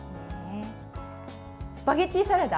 スパゲッティサラダ。